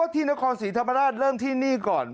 ที่นครศรีธรรมราชเริ่มที่นี่ก่อน